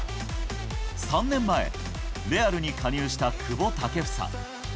３年前、レアルに加入した久保建英。